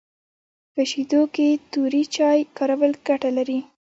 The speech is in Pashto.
په شیدو کي توري چای کارول ګټه لري